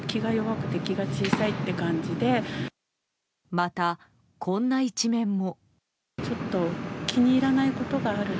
また、こんな一面も。